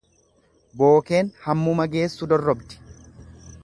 Bookeen hammuma geessu dorrobdi.